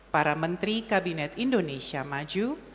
para menteri kabinet indonesia maju